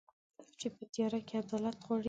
چي په تیاره کي عدالت غواړي